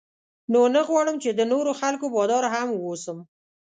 نو نه غواړم چې د نورو خلکو بادار هم واوسم.